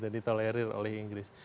ditolerir oleh inggris